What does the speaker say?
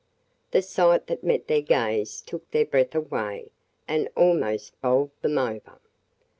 The sight that met their gaze took their breath away and almost bowled them over.